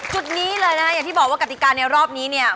จุดนี้เลยนะคะอย่างที่บอกว่ากติกาในรอบนี้เนี่ย